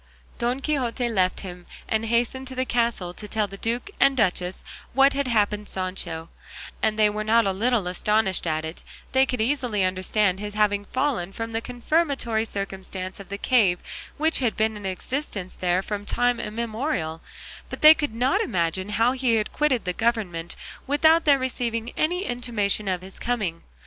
Don Quixote left him, and hastened to the castle to tell the duke and duchess what had happened Sancho, and they were not a little astonished at it; they could easily understand his having fallen, from the confirmatory circumstance of the cave which had been in existence there from time immemorial; but they could not imagine how he had quitted the government without their receiving any intimation of his coming.